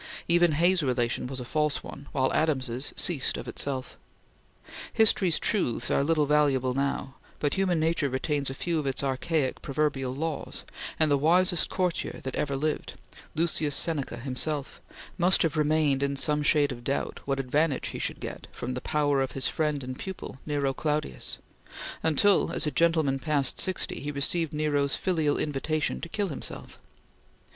Even Hay's relation was a false one, while Adams's ceased of itself. History's truths are little valuable now; but human nature retains a few of its archaic, proverbial laws, and the wisest courtier that ever lived Lucius Seneca himself must have remained in some shade of doubt what advantage he should get from the power of his friend and pupil Nero Claudius, until, as a gentleman past sixty, he received Nero's filial invitation to kill himself.